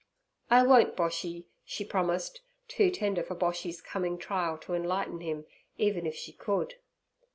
'I won't, Boshy' she promised, too tender for Boshy's coming trial to enlighten him, even if she could.